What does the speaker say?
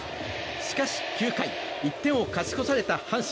しかし９回１点を勝ち越された阪神。